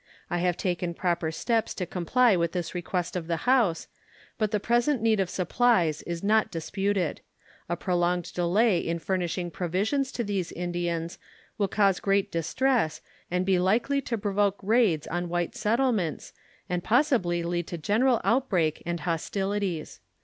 I have taken proper steps to comply with this request of the House, but the present need of supplies is not disputed. A prolonged delay in furnishing provisions to these Indians will cause great distress and be likely to provoke raids on white settlements, and possibly lead to general outbreak and hostilities.